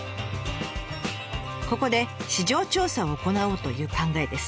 ここで市場調査を行おうという考えです。